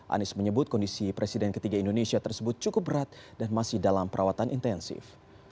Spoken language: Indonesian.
anies menyebut kondisi presiden ketiga indonesia tersebut cukup berat dan masih dalam perawatan intensif